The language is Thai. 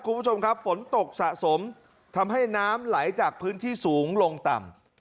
คุณผู้ชมครับฝนตกสะสมทำให้น้ำไหลจากพื้นที่สูงลงต่ำ